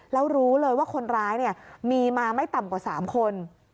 แล้วรู้เลยว่าคนร้ายมีมาไม่ต่ำกว่า๓คน